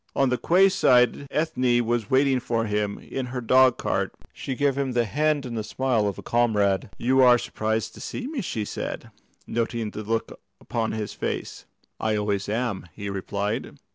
On the quay side Ethne was waiting for him in her dog cart; she gave him the hand and the smile of a comrade. "You are surprised to see me," said she, noting the look upon his face. "I always am," he replied.